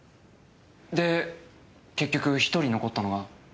で結局１人残ったのが。